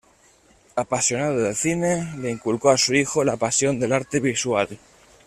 Apasionado del cine, le inculcó a su hijo la pasión del arte visual.